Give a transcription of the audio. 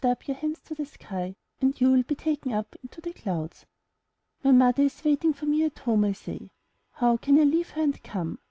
107 MY BOOK HOUSE Up your hands to the sky, and you will be taken up into the clouds.'' *'My mother is waiting for me at home," I say. How can I leave her and come